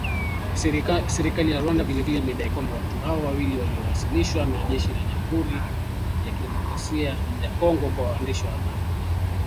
Serikali ya Rwanda vile vile imedai kwamba watu hao wawili waliowasilishwa na jeshi la Jamuhuri ya Kidemokrasia ya Kongo kwa waandishi wa habari